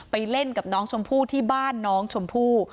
ไปเล่นกับน้องชมพู่ที่บ้านน้องชมพู่